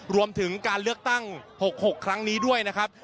รวมถึงการเลือกตั้ง๖๖ครั้งนี้ด้วยนะครับ